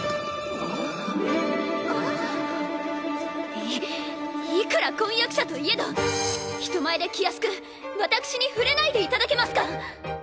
いいくら婚約者といえど人前で気安く私に触れないでいただけますか！